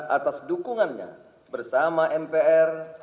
atas dukungannya bersama mpr